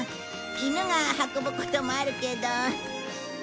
犬が運ぶこともあるけど。